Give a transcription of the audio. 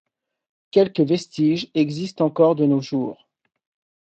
Quelques vestiges existent encore de nos jours.